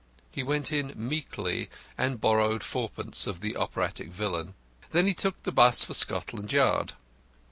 He went in meekly, and borrowed fourpence of the operatic villain. Then he took the 'bus for Scotland Yard.